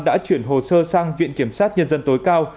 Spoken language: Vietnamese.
đã chuyển hồ sơ sang viện kiểm sát nhân dân tối cao